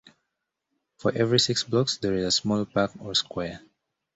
For every six blocks, there is a small park or square.